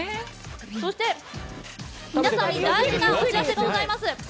そして、皆さんに大事なお知らせがございます。